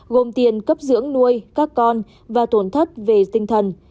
gồm tiền cấp dưỡng nuôi các con và tổn thất về tinh thần